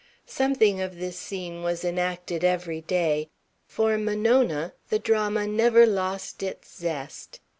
Something of this scene was enacted every day. For Monona the drama never lost its zest.